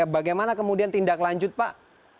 bagaimana kemudian tindak lanjut pak